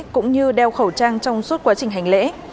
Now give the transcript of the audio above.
cũng như đeo khẩu trang trong suốt quá trình hành lễ